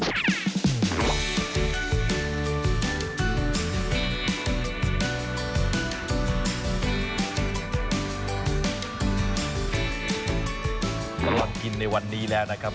ตลอดกินในวันนี้แล้วนะครับ